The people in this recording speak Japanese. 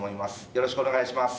よろしくお願いします。